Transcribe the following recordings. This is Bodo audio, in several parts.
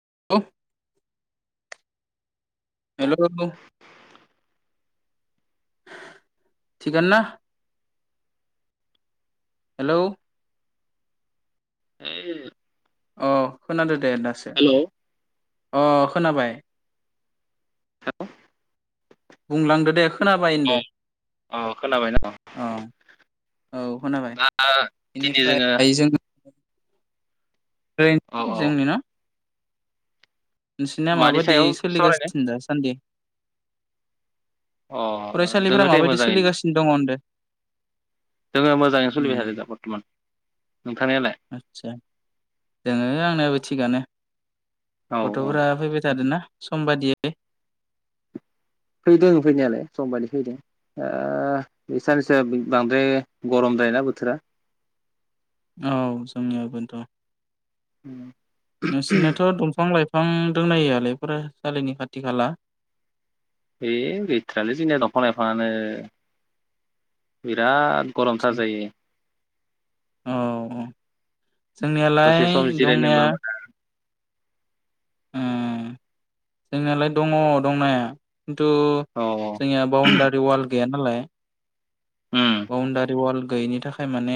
[inaudible] हेलौ थिगानोना हेलौ [unintelligible] अ खोनादो दे दासो । हेल' औ अ खोनाबाय। बुंलांदो दे । ओम औ खोनाबाय ना अ औ खोनाबाय दिनै जोङो बेनिफ्राय जों औ औ [inaudible] नोंसिनिया मानि माबायदि सायाव सावरायनो सोलिगासिनो दा सान्दि? अ फरायसालिफोरा दोङो दे माबायदि मोजाङैनो सोलिगासिनो दङ होनदो दोङो मोजाङैनो सलिबाय थादो दा बरथमान । आतसा दोङो आंनियाबो थिगानो। औ औ गथ'फोरा फैबाय थादोना सम बादियै? [inaudible] फैदों फैनायालाय समबादि फैदों ओ बे साननैसोआ बांद्राय गरम द्रायना बोथोरा । औ जोंनियाव बोथ'। नोंसिनाथ' दंफां लाइफ फां दंना गैयालै फरायसालिनि खाथि खाला? ए गैथ्रालै जोंनिया दंफां लाइफांङानो । बिराद गरमथार जायो । औ औ। जोंनियालाय दसे सम जिरायनोबो दंनाया मोना। उम। जोंनालाय दङ दंनाया। खिन्थु औ जोंनिया बाउणडारि वाल गैया नालाय बावनदारि वाल गैयिनि थाखाय माने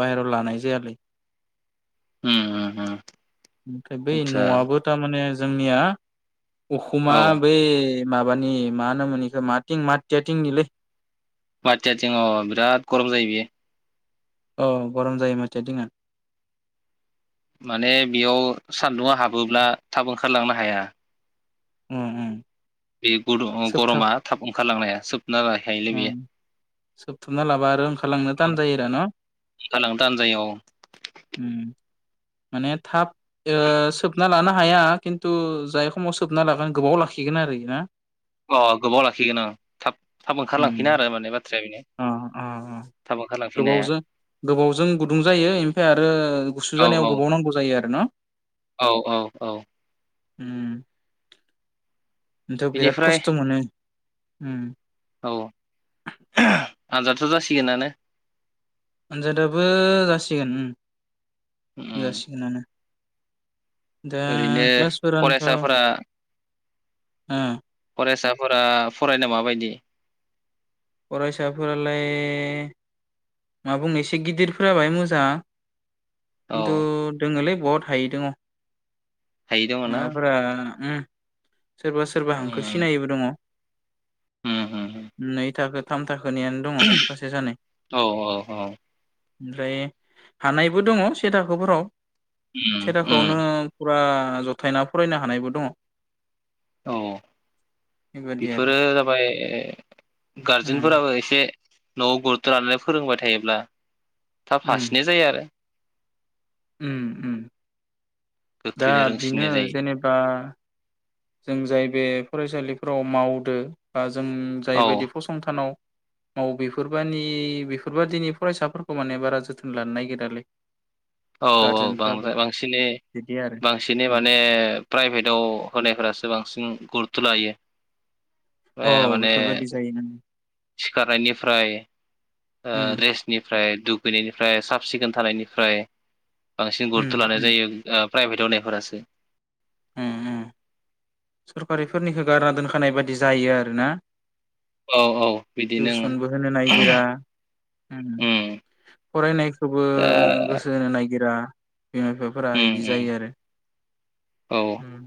बाहेराव लानाय जायालै । औ ओमफ्राय बै आदसा न'आबो थारमाने जो जोंनिया उखुमा औ बेै माबानि मा होनोम मोन बेखौ? माथिं माथियाथिंनिलै। माथिया थिं अ बिराद गरम जायो बेयो। औ गरम जायो माथिया थिंङा। माने बेयाव सान्दुंआ हाब थाब ओंखारलांनो हाया। ओ। बे गरमा थाब ओंखारलांनाया सोबना लाखायोलै बेयो सोबथाबना लाबा आरो ओंखारलांनो औ दान जायरा न? ओंखारलांनो थान जायो माने थाब ओ। सोबना लानो हाया खिन्थु जाय समाव सोबना लागोन गोबाव लाखिगोन आरो ना। अ गोबाव लाखिगोन अ थाब थाब ओंखारलांफिना आरो माने बाथ्राया बेनो अ अ थाब ओंखारलांफिनो हाया गोबावजों गोबावजों गुदुं जायो निफ्राय आरो गुसु औ औ जानायाव गोबाव नांगौ जायो आरो न? औ औ औ। उम। नोंथ' बिराद बिनिफ्राय खस्थ' मोनो। हम। औ। आजादाथ' जासिगोनानो। अनजादाबो जासिगोन। उम जासिगोनानो। दा ओरैनो फरायसाफोरा उम। फरायसाफोरा फरायनायाव माबायदि? फरायसाफोरालाय मा बुंनो एसे गिदिरफोरा बाय मोजां। औ खिन्थु दोङोलै बहुद हायै दोङ'। हायै दङ ना माबाबोरा उम। सोरबा सोरबा हांखो उम सिनायिबो दङ'। उम उम नै थाखोथाम, थाखो थाखोनियानो दङ औ सासे सानै औ औ। ओमफ्राय हानायबो दङ से थाखोफोराव। सेे उम उम थाखोआवनो बा जथायना फरायनो हानायबो दङ। औ बेबादि आरो बेफोरो जाबाय गा उम जुनफोराबो एसे न'आव गुरुथ' लानानै फोरोंबाय थायोब्ला थाब उम हासिननाय जायो आरो। उम उम। दा गोख्रैनो बेनो रोंसिननाय जायो जेनेबा जों जाय बे फरायसालिफोराव मावदो बा जों औ जायबायदि फसंथानाव औ बेफोरबानि बेफोरबादिनि फरायसाफोरखौ माने बारा जोथोन लानो नागिरालै औ औ गारजेनफ्राबो बांद्राय बांसिनै बिदि आरो बांसिनै उम माने प्राइभेटाव होनाय फोरासो बांसिन गुरुथ' लायो। औ ए माने बेफोर बादि जायो ना। सिखारनायनिफ्राय ओ उम रेस्टनि फ्राय दुगैनायनिफ्राय साब सिखोन थानायनिफ्राय बांसिन उम गुरुथ' लानाय उम जायो। ओ प्राइभेटआव होनायफोरासो। उम उम। सरकारिफोरनिखो बारा दोनखानाय बायदि जायो आरो ना। औ औ बिदि नों टिउसनबो होनो नागिरा उम फरायनायखोबो दा गोसो होनो नागिरा। बिमा बिफाफोरा उम इदि उम जायो आरो। उम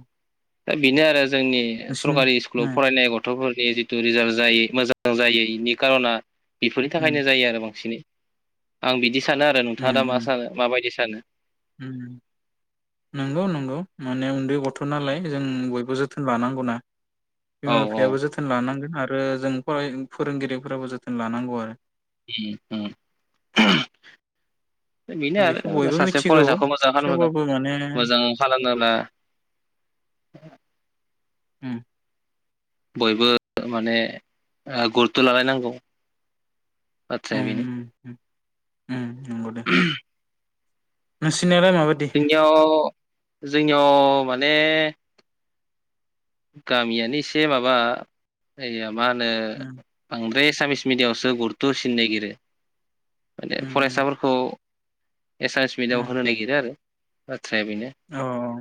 बिनो आरो जो जोंनि नोंसिनि सरकारि स्कुलाव ओ फरायनाय गथ'फोर ए जिथु रिजाल जायो मोजां जायो इनि खार'ना बेफोरनि उम थाखायनो जायो आरो बांसिनै आं बिदि स सानो आरो उम नोंथाङा दा मा उम सानो माबायदि [unintelligible] उम नंगौ नंगौ माने उन्दै गथ' नालाय जों बयबो बो जोथोन लानांगौना औ बिमा बिफायाबो जोथोन लानांगोन। आरो जों फराय फोरोंगिरिफोराबो जोथोन लानांगौ आरो ओम ओम दा बेनो बेखौ आरो बयबो सासे मिथिगौ फरायसाखौ मोजां खालामोब्ला थेवबाबो माने मोजां खालामोब्ला ओम बयबो माने ओ गुरुथ' लालायनांगौ बाथ्राया बेनो ओम नंगौ दे नोंसि- थिनायालाय माबायदि? जोंनियाव जोंनियाव माने गामियानो एसे माबा मा होनो उम आं एसामिस मिडियामआवसो गुरथ' होसिननो नागिरो। माने उम उम फरायसाफोरखौ एसामिस मिडियामआव होनो नागिरो आरो बाथ्राया बेनो अह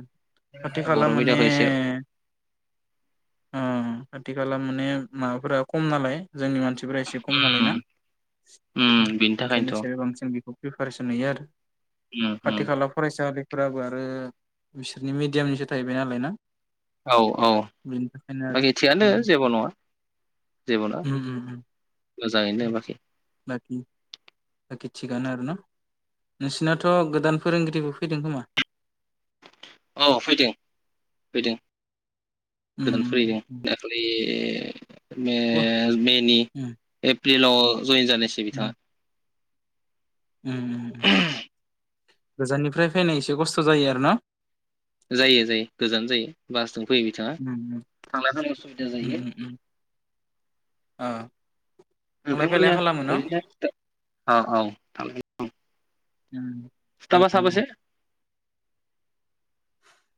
खाथि खाला बर' माने मिडियामखौ एसे ओम आथि खाला माने माबाफोरा खम नालाय जोंनि मानसिफोरा एसे खम नालाय ना उम उम बिनि ओंखायनो थाखायनोथ' एसे बांसिन बेखौ प्रिपारेसन नुयो आरो उम खाथि उम खाला फरायसालि फोराबो आरो बिसोरनि मिडियामनिसो थाहैबाय नालाय ना । औ औ । बेनि थाखायनो आरो उम जेबो नङा [inaudible] मोजाङैनो उम बाखि बाखि बाखि थिगानो आरो न नोंसिनाथ' गोदान फोरोंगिरिबो फैदों खोमा? औ फैदों फैदों । उम गोदान उम फैदों उम दाखालि मेल मेनि उम बिल' जयेन जानायसै बिथाङा उम । उम गोजाननिफ्राय फैनाय एसे खस्थ' जायो आर न? जायो जायो गोजान जायो बासजों फैयो बिथाङा उम थांलाय फैलाय असुबिदा उम जायो । उम उम ओ थांलाय फैलाय नोंथांमोननिया खालामो न ओरैनो [unintelligible] औ औ थां उम सिथाबा अ साबोसे?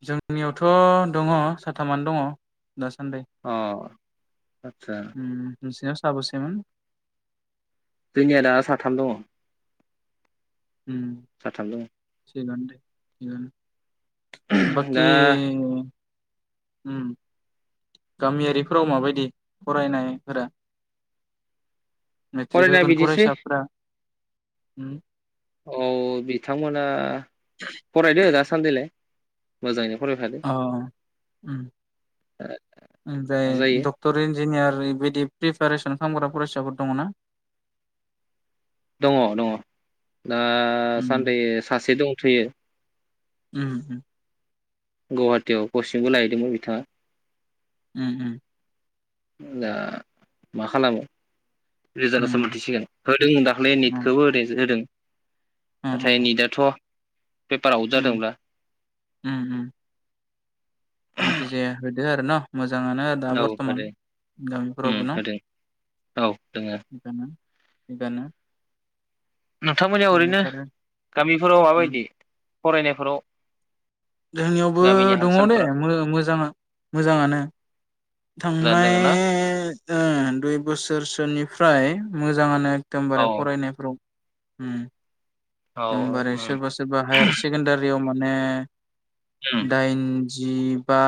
जोंनियावथ' दङ साथामानो दङ । अ आतसा । नोंसिना साबोसेमोन? जोंनिया दा साथाम दङ । उम साथाम दङ । [unintelligible] बाखि दा उम गामियारिफोराव माबायदि फरायनायफोरा? मेट्रिक फरायनाया होगोन बिदिसै फरायसाफ्रा? उम औ बिथांमोना फरायदो दासान्दिलाय मोजाङैनो । अ उम उम दे मा जायो डक्टर इन जिनियरबायदि प्रिपेरेसन खालामग्रा फरायसाफोर दङ ना? दङ दङ । दा उम सानदै सासे दंथ'यो । उम। गौहाटियाव कचिंबो लाहैदोंमोन बिथाङा। उम उम। दा मा खालामो । रिजारासो उम मोनथिसिगोन होदों दाख्लै उम नेटखौबो ओरैनोसो होदों। नाथाय उम नितआथ' पेपार आवट उम जादोंब्ला उम उम जायखिजाया होदो आरो न मोज जाङानो दा औ बरथमान होदों उम गामिफोरावबो न होदों औ दोङो थिगानो। नोंथांमोनयाव ओरैनो बेनिफ्राय गामिफोराव उम माबायदि? फरायनायफोराव जोंनियावबो गामिनि हाल दङ दे सालफोरा मोजा मोजाङा मोजाङानो मोजाङानो थांनाय दोङो ना ओ दुइ बोसोरसोनि फ्राय मोजाङानो औ एकदमबारे फरायनायफ्राव। होम। औ एकदमबारै उम सोरबा सोरबा हायार सेकेण्डारियाव माने उम दाइन जिबा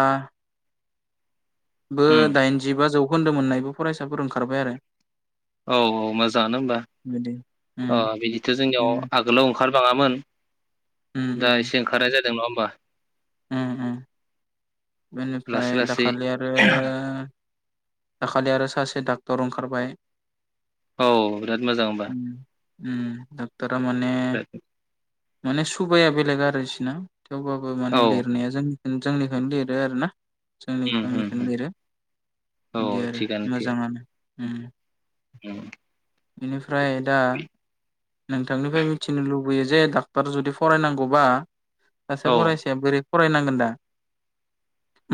बो उम दाइनजिबा जौखोन्दो मोननायबो फरायसाफोर ओंखारबाय आरो। औ औ मोजाङानो होमबा बिदि अ उम बिदिथ' जोंनियाव उम आगोलाव ओंखारबाङामोन उम दा एसे उम ओंखारनाय जादों। नङा होमबा? उम उम। बेनिफ्राय लासै लासै दाखालि आरो दाखालि आरो सासे डाक्टर ओंखारबाय। औ बिराद मोजां होनबा । उम उम डाक्टारआ माने [unintelligible] माने सुबाया बेलेग आरोसना । थेवबाबो माने औ लिरनाया जों जोंनिखायनो दे आरोना। जोंनि उम उम खामिनिखौनो उम लिरो औ बिदि आरो थिगानो थिगानो मोजाङानो। उम। उम। बेनिफ्राय दा नोंथांनिफ्राय मिथिनो लुबैयो। लुबैयो जे डाक्टर जुदि फरायनांगौबा आ औ फरायायस बोरै फरायनांगोन दा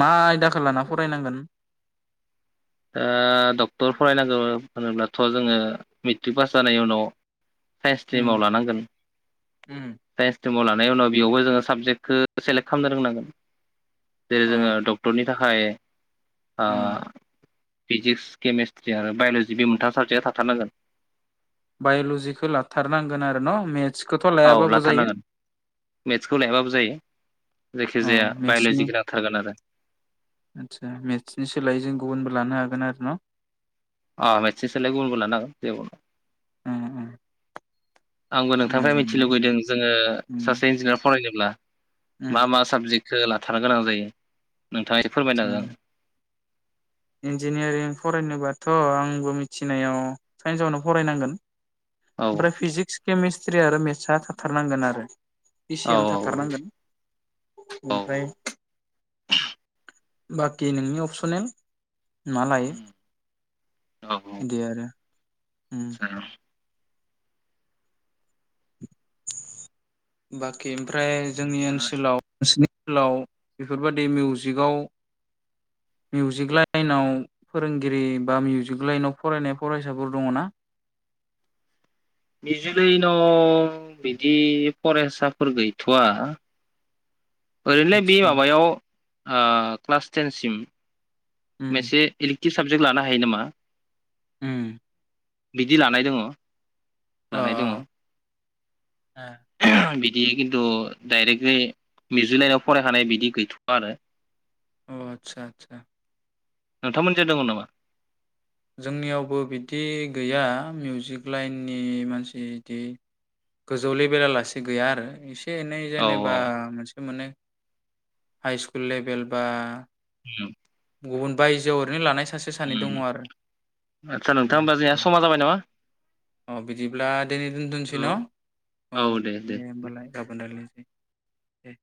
मा आयदाखौ लाना फरायनांगोन दा डक्टर फरायनांगौ होनोब्लाथ' जोङो मेट्रिक पास जानायनि उनाव साइन्स उम स्ट्रिमाव लानांगोन उम साइन्स स्ट्रिमाव लान उनाव बेयावबो जोङो साबजेक्टखौ सेलेक्ट खालामनो रोंनांगोन जेरै जोङो अ डक्टरनि थाखाय आ उम फिजिक्स केमेस्ट्रि आरो बाय'ल'जि बे मोनथाम साबजेक्टआ थाथारनांगोन। बायल'जिखौ लाथारनांगोन आरो न' मेथ्स औ लाथारनांगोन मेथ्सखौ लायाबाबो जायो। अ जायखिजाया मेटसनि बाय'ल'जिखौ नांथारगोन आरो मेटसनि सोलायै जों गुबुनबो लानो हागोन गोन आरो न अ मेट्रिकसोलाय गुबुनबो लानो हागोन जेबो नङा उम उम आंबो नोंथांनिफ्राय मिथि मोजाङानो लुुबैदों जोङो उम सासे इन्जिनियार फरायनोब्ला उम मा मा साबजेक्ट सो लाथारानो गोनां जायो। नोंथाङा एसे फोरमायनो हागोन इन्जिनियारिं फरायनोबाथ आंबो मिथिनायाव साइन्सआवनो फरायनांगोन। हागोन फ्राय फिजिक्स केमेस सिरि आरो मेससा थाथारनांगोन आरो। औ इसेयाम थाथारनांगोन। औ ओमफ्राय। बाखि नोंनि अपसनेल मा लायो औ दे आरो उम [unintelligible] बाखि ओमफ्राय जोंनि औ ओनसोलाव नोंसिनि स्कुलाव बेफोरबायदि मिउजिकआव मिउजिक लाइनाव फोरोंगिरि बा मिउजिक लाइनाव फरायनाय फरायसाफोर दङना। मिउजिक लायनाव बिदि फरायसाफोर गैथवा ओरैलाय बे आदसा माबायाव ओ क्लास टेनसिम उम मेसे इल थि साबजेक्ट लानो हायो नामा? उम। बिदि लानाय दङ। ओ लानाय दङ ओ ए। इदि खिन्थु डाइरेक्टलि मिउजिक लाइनाव फरायखानाय बिदि गैथवआ आरो। अ आतसा आतसा। नोंथांमोनजों दङ नामा? जोंनियावबो बिदि गैया मिउजिक लाइननि मानसि इदि गोजौ लेभेलालासे गैया आरो इसे इसे -एनै औ जेनेबा [unintelligible] मोनै हाइ स्कुल लेभेल बा औ। गुबुन बायजोआव ओरै लानाय [unintelligible] उम दङ आरो आतसा उम नोंथां होमबा दे। जोंहा समा जाबाय नामा? अ बिदिब्ला दिनै दोनथ'नोसै न औ औ दे होमबालाय गाबोन रायलायनो दे।